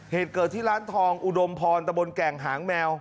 เหตุเกิดที่ร้านทองอุดมพรตะบนแก่งหางแมว